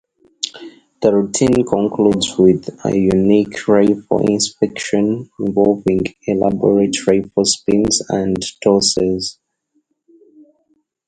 The routine concludes with a unique rifle inspection involving elaborate rifle spins and tosses.